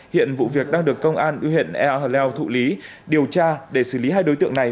hiện vụ việc đang được công an huyện ea hà leo thụ lý điều tra để xử lý hai đối tượng này